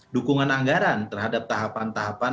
dukungan anggaran terhadap tahapan